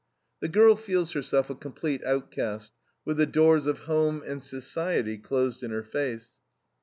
The girl feels herself a complete outcast, with the doors of home and society closed in her face.